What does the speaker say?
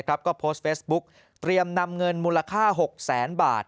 ก็โพสต์เฟซบุ๊กเตรียมนำเงินมูลค่า๖แสนบาท